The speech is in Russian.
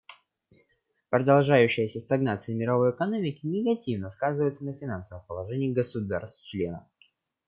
Продолжающаяся стагнация мировой экономики негативно сказывается на финансовом положении государств-членов.